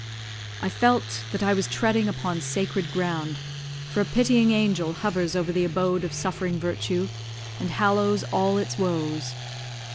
I felt that I was treading upon sacred ground, for a pitying angel hovers over the abode of suffering virtue, and hallows all its woes.